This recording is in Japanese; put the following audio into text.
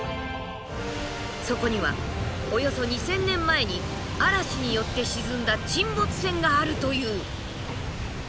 そこにはおよそ２，０００年前に嵐によって沈んだ沈没船があるという。